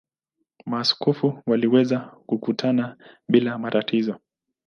Maaskofu waliweza kukutana bila matatizo.